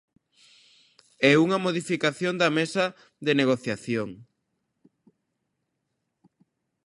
É unha modificación da mesa de negociación.